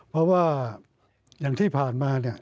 เพราะว่าอย่างที่ผ่านมาเนี่ย